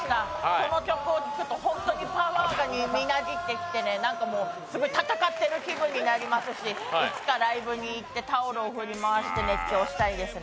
この曲を聴くと本当にパワーがみなぎってきて闘っている気分になりますし、いつかライブに行ってタオルを振り回して熱狂したいですね。